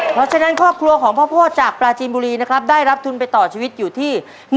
เพราะฉะนั้นครอบครัวของพ่อโพธิจากปลาจีนบุรีนะครับได้รับทุนไปต่อชีวิตอยู่ที่